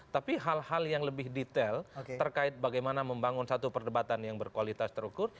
tapi hal hal yang lebih detail terkait bagaimana membangun satu perdebatan yang berkualitas terukur